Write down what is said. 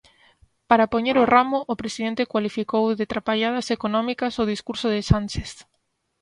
Para poñer o ramo, o presidente cualificou de trapalladas económicas o discurso de Sánchez.